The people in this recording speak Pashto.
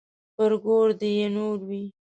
پر ګور دې يې نور وي.